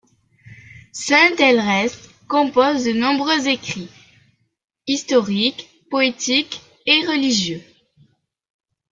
Saint Ælred compose de nombreux écrits, historiques, poétiques et religieux.